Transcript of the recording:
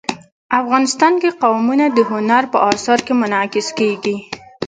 افغانستان کې قومونه د هنر په اثار کې منعکس کېږي.